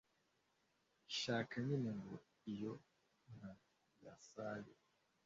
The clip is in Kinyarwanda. ishaka nyine ngo iyo nka yasaye,